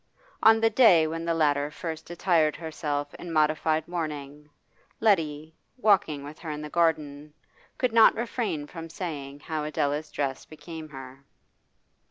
On the day when the latter first attired herself in modified mourning, Letty, walking with her in the garden, could not refrain from saying how Adela's dress became her.